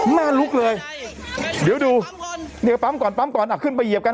ลุกเลยเดี๋ยวดูเนี่ยปั๊มก่อนปั๊มก่อนอ่ะขึ้นไปเหยียบกัน